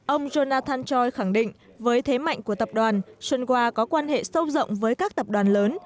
ông jonathan choi khẳng định với thế mạnh của tập đoàn sunwa có quan hệ sâu rộng với các tập đoàn lớn